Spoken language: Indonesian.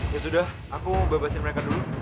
ya sudah aku bebasin mereka dulu